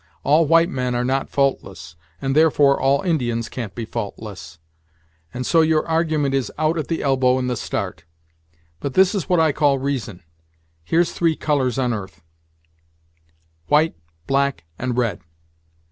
All white men are not faultless, and therefore all Indians can't be faultless. And so your argument is out at the elbow in the start. But this is what I call reason. Here's three colors on 'arth: white, black, and red.